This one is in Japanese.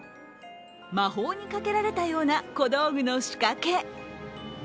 魔法にかけられたような小道具の仕掛け。